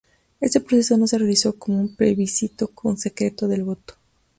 Este proceso no se realizó como un plebiscito con secreto del voto.